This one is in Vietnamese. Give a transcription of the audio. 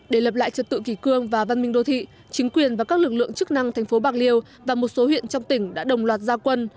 để lập lại trật tự kỳ cương và văn minh đô thị chính quyền và các lực lượng chức năng thành phố bạc liêu và một số huyện trong tỉnh đã đồng loạt gia quân